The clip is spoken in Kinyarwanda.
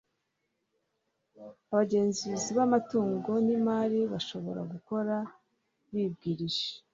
abagenzuzi b'umutungo n'imari bashobora gukora bibwirije